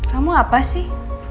kamu apa sih